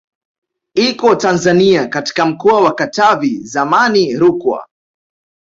Iko Tanzania katika mkoa wa Katavi zamani Rukwa